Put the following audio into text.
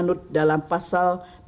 untuk menangani kemampuan masyarakat